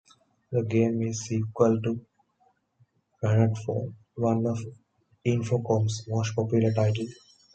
The game is a sequel to "Planetfall", one of Infocom's most popular titles.